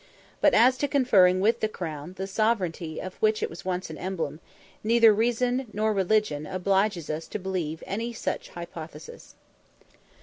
But as to conferring with the crown, the sovereignty of which it was once an emblem, neither reason nor religion obliges us to believe any such hypothesis.